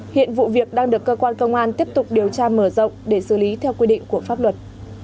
hiện vụ việc đang được cơ quan công an tiếp tục điều tra mở rộng để xử lý theo quy định của pháp luật